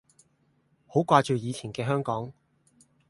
好掛住以前嘅香港